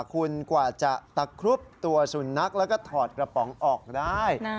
คุณกว่าจะตะครุบตัวสุนัขแล้วก็ถอดกระป๋องออกได้